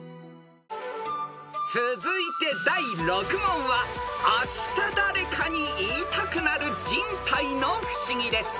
［続いて第６問はあした誰かに言いたくなる人体の不思議です］